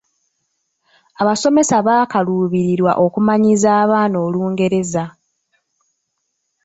Abasomesa bakaluubirirwa okumanyiiza abaana Olungereza.